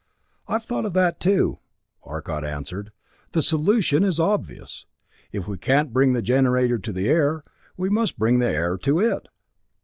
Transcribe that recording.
"I've thought of that too," Arcot answered. "The solution is obvious if we can't bring the generator to the air, we must bring the air to it."